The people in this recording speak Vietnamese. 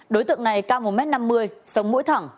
đối tượng này cao một m năm mươi sống mũi thẳng